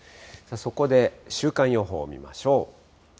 そこで週間予報を見ましょう。